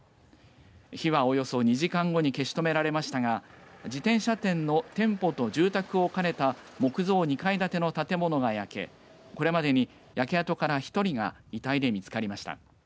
火は、およそ２時間後に消し止められましたが自転車店の店舗と住宅を兼ねた木造２階建ての建物が焼けこれまでに焼け跡から１人が遺体で見つかりました。